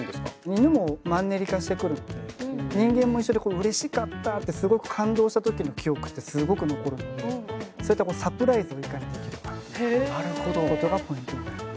犬もマンネリ化してくるので人間も一緒でうれしかったってすごく感動した時の記憶ってすごく残るのでそういったサプライズをいかにできるかっていうことがポイントになります。